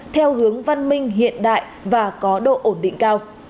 theo hướng văn minh hiện đại và có độ ổn định cao